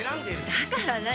だから何？